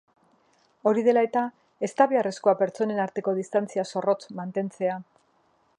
Hori dela eta, ez da beharrezkoa pertsonen arteko distantzia zorrotz mantentzea.